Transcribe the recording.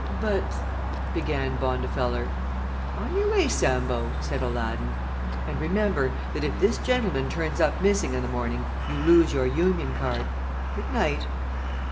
"But " began Bondifeller. "On your way, Sambo!" said Aladdin. "And, remember, that if this gentleman turns up missing in the morning you lose your union card. Good night!"